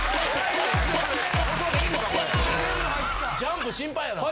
・ジャンプ心配やな